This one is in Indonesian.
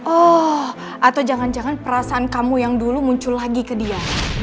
oh atau jangan jangan perasaan kamu yang dulu muncul lagi ke dia